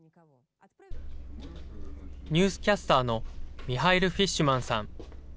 ニュースキャスターのミハイル・フィッシュマンさん。